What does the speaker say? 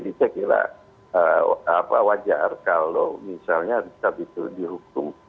bisa begitu dihukum